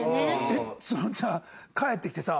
えっじゃあ帰ってきてさ。